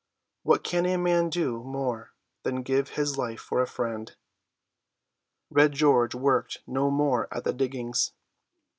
'What can a man do more than give his life for a friend?'" Red George worked no more at the diggings.